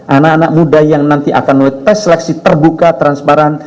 anak anak muda yang nanti akan melalui tes seleksi terbuka transparan